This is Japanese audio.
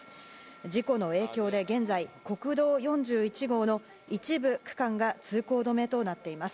事故の影響で現在、国道４１号の一部区間が通行止めとなっています。